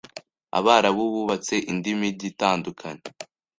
Abarabu bubatse indi mijyi itandukanye